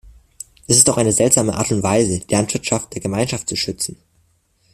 Es ist auch eine seltsame Art und Weise, die Landwirtschaft der Gemeinschaft zu schützen.